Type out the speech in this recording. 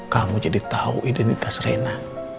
kamu jadi tahu identitas rena